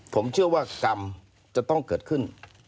ผมเชื่อว่ากรรมจะต้องเกิดขึ้น